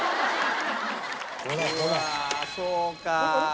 うわあそうか。